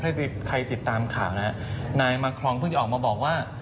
เพื่อให้ใครติดตามข่าวนะครับนายมาครองเพิ่งจะออกมาบอกว่า